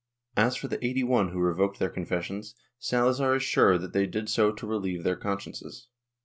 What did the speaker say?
As for the eighty one who revoked their confessions, Salazar is sure that they did so to relieve their consciences.